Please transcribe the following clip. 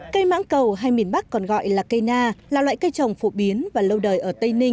cây mắng cầu hay miền bắc còn gọi là cây na là loại cây trồng phổ biến và lâu đời ở tây ninh